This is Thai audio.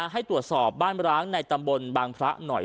ให้ตรวจสอบบ้านร้างในตำบลบางพระหน่อย